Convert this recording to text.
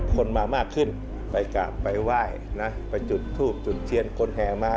คนมามากขึ้นไปกราบไปไหว้นะไปจุดทูบจุดเทียนคนแห่มา